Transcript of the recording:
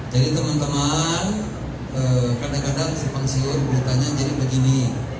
jadi teman teman kadang kadang sepengsiur beritanya jadi begini